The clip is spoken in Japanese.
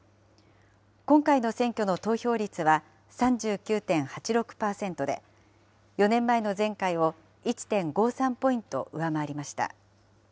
今回の選挙の投票率は３９．８６％で、４年前の前回を１．５３ポイント上回りました。